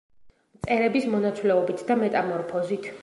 მწერების მონაცვლეობით და მეტამორფოზით.